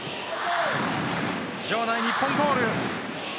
場内、日本コール。